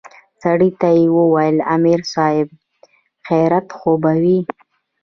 سړي ته يې وويل امر صايب خيريت خو به وي.